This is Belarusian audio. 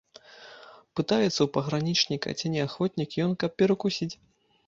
Пытаецца ў пагранічніка, ці не ахвотнік ён, каб перакусіць.